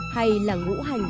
hay là ngũ hành